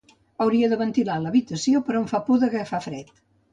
Hauria de ventilar l'habitació però em fa por d'agafar fred